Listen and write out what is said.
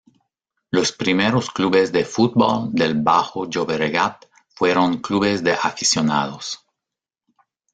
Los primeros clubes de fútbol del Bajo Llobregat fueron clubes de aficionados.